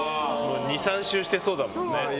２３周してそうだもんね。